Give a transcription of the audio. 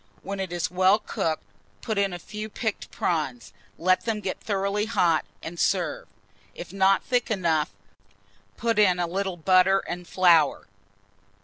When it is well cooked, put in a few picked prawns; let them get thoroughly hot, and serve. If not thick enough, put in a little butter and flour.